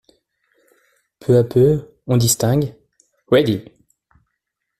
Peu à peu, on distingue :" Ready !…